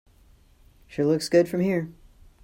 It sure looks good from here.